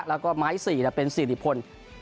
แล้วก็ไม้๔เป็นสิริพล